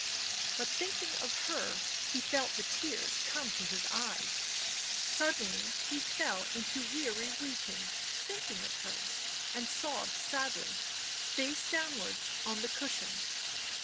But thinking of her he felt the tears come to his eyes ; suddenly he fell into weary weeping, thinking of her, and sobbed sadly, face downwards, on the cushion.